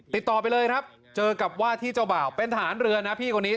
ติดต่อไปเลยครับเจอกับว่าที่เจ้าบ่าวเป็นทหารเรือนะพี่คนนี้